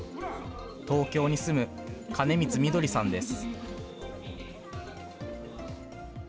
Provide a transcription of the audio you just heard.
東京に住む金光碧さんです。